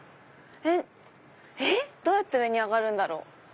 えっ⁉どうやって上に上がるんだろう？